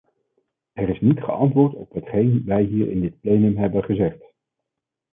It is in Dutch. Er is niet geantwoord op hetgeen wij hier in dit plenum hebben gezegd.